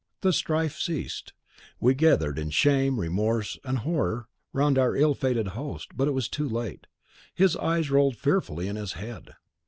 The strife ceased; we gathered, in shame, remorse, and horror, round our ill fated host; but it was too late, his eyes rolled fearfully in his head.